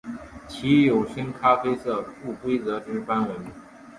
体有深咖啡色不规则之斑纹。